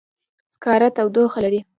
سکاره تودوخه لري.